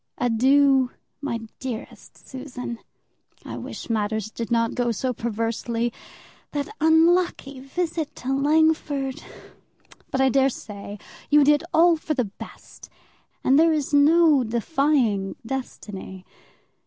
Adieu, my dearest Susan, I wish matters did not go so perversely. That unlucky visit to Langford! but I dare say you did all for the best, and there is no defying destiny.